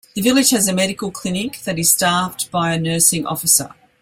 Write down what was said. The village has a medical clinic that is staffed by a Nursing Officer.